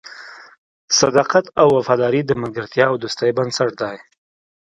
صداقت او وفاداري د ملګرتیا او دوستۍ بنسټ دی.